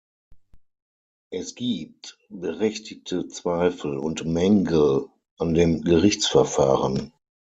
Es gibt berechtigte Zweifel und Mängel an dem Gerichtsverfahren.